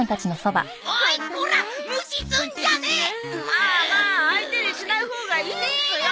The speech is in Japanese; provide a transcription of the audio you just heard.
まあまあ相手にしないほうがいいっすよ。